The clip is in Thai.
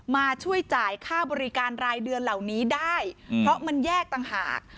มาช่วยจ่ายค่าบริการรายเดือนเหล่านี้ได้เพราะมันแยกต่างหาก